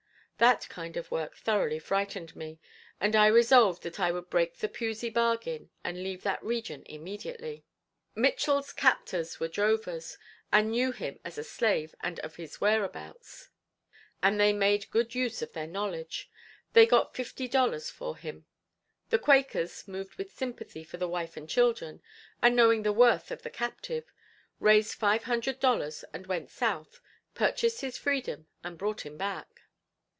That kind of work thoroughly frightened me, and I resolved that I would break the Pusey bargain and leave that region immediately. Mitchell's captors were drovers, and knew him as a slave and of his whereabouts, and they made good use of their knowledge; they got fifty dollars for him. The Quakers, moved with sympathy for the wife and children, and knowing the worth of the captive, raised five hundred dollars and went south, purchased his freedom and brought him back.